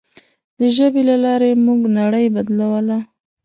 د ژبې له لارې موږ نړۍ بدلوله.